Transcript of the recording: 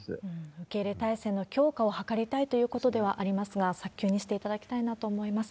受け入れ態勢の強化を図りたいということではありますが、早急にしていただきたいなと思います。